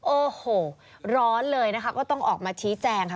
โอ้โหร้อนเลยนะคะก็ต้องออกมาชี้แจงค่ะ